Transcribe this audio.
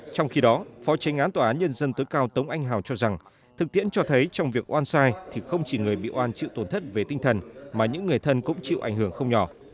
trong khi đó phó tranh án tòa án nhân dân tối cao tống anh hào cho rằng thực tiễn cho thấy trong việc oan sai thì không chỉ người bị oan chịu tổn thất về tinh thần mà những người thân cũng chịu ảnh hưởng không nhỏ